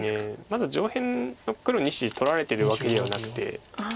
まだ上辺の黒２子取られてるわけではなくて。